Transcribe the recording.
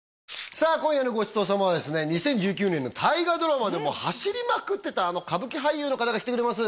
さあ今夜のごちそう様はですね２０１９年の大河ドラマで走りまくってたあの歌舞伎俳優の方が来てくれます